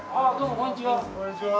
こんにちは。